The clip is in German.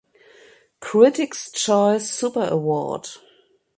Critics’ Choice Super Award